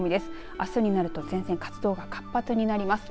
あすになると前線活動が活発になります。